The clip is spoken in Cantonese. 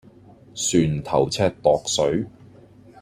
船頭尺度水